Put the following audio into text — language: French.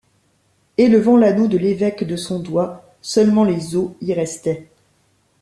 Élevant l'anneau de l'évêque de son doigt, seulement les os y restaient.